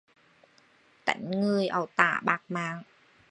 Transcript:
Tánh người ẩu tả bạt mạng